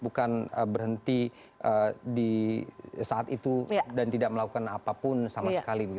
bukan berhenti di saat itu dan tidak melakukan apapun sama sekali